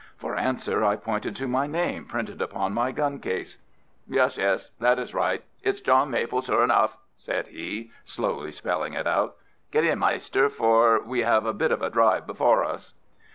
For answer I pointed to my name printed upon my gun case. "Yes, yes, that is right. It's John Maple, sure enough!" said he, slowly spelling it out. "Get in, maister, for we have a bit of a drive before us."